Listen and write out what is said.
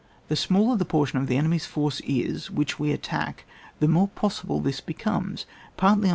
The smaller the portion of the enemy's force is which we attack, the more possible this becomes, partly on.